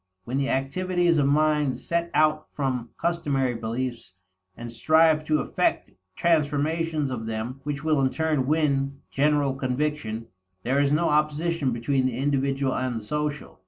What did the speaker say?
When the activities of mind set out from customary beliefs and strive to effect transformations of them which will in turn win general conviction, there is no opposition between the individual and the social.